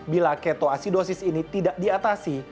bila ketoasidosis ini tidak diatasi